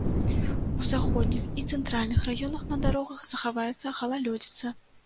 У заходніх і цэнтральных раёнах на дарогах захаваецца галалёдзіца.